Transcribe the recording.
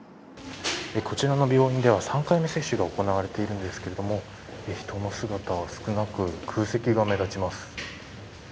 こちらの病院では３回目接種が行われているんですけれども、人の姿は少なく空席が目立ちます。